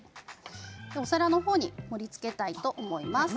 お皿に盛りつけたいと思います。